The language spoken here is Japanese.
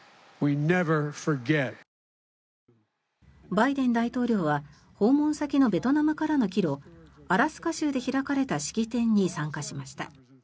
バイデン大統領は訪問先のベトナムからの帰路アラスカ州で開かれた式典に参加しました。